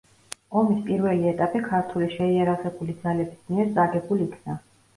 ომის პირველი ეტაპი ქართული შეიარაღებული ძალების მიერ წაგებულ იქნა.